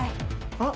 あっ？